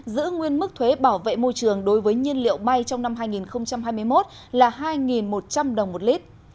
giữ nguyên mức thuế bảo vệ môi trường đối với nhiên liệu bay trong năm hai nghìn hai mươi một là hai một trăm linh đồng một lít